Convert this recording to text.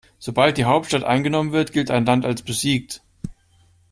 Sobald die Hauptstadt eingenommen wird, gilt ein Land als besiegt.